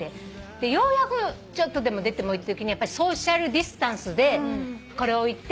ようやくちょっとでも出てもいいってときにやっぱりソーシャルディスタンスでこれを置いて。